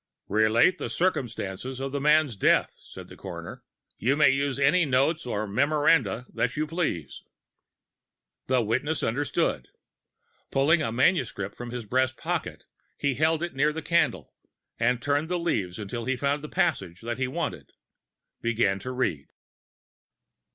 "Relate the circumstances of this man's death," said the coroner. "You may use any notes or memoranda that you please." The witness understood. Pulling a manuscript from his breast pocket he held it near the candle, and turning the leaves until he found the passage that he wanted, began to read.